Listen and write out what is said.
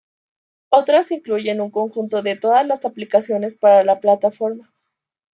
Otras incluyen un conjunto de todas las aplicaciones para la plataforma.